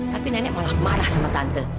tapi nenek malah marah sama tante